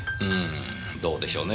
どうでしょうね